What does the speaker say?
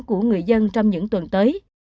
của người dân trong những tuần tới